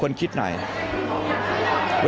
คุณพ่อธนศักดิ์สี่หัวโทนคุณพ่อบอกว่าน้องล็อฟเป็นเด็กดีมากค่ะ